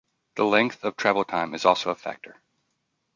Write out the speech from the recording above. The length of travel time is also a factor.